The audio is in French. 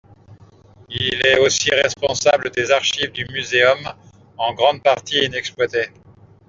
Il est aussi responsable des archives du Muséum, en grande partie inexploitées.